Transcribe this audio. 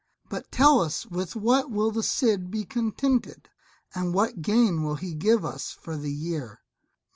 But tell us with what will the Cid be contented, and what gain will he give us for the year?"